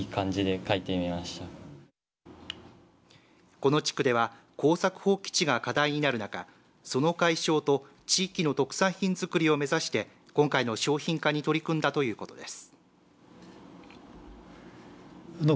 この地区では耕作放棄地が課題になるのがその解消と地域の特産品作りを目指して今回の商品化に取り組んだということです。